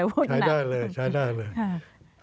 พูดน้อยนะครับแต่พูดหนัก